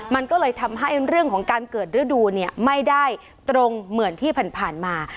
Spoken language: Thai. มันก็เลยทำให้เรื่องของการเกิดฤดูไม่ได้ตรงเหมือนที่ผ่านมา